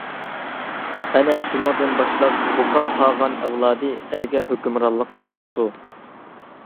ئەنە شۇنىڭدىن باشلاپ بۇقا قاغان ئەۋلادى ئەلگە ھۆكۈمرانلىق قىلىپتۇ.